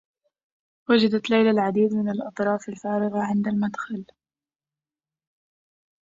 وجدت ليلى العديد من الأظراف الفارغة عند المدخل.